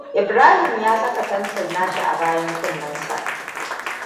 Ibrahim ya saka fensil nashi a bayan kunnen sa.